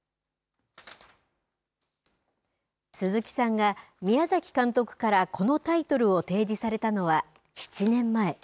鈴木さんが宮崎監督からこのタイトルを提示されたのは７年前。